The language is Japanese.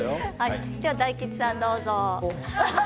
大吉さんどうぞ。